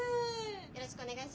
よろしくお願いします。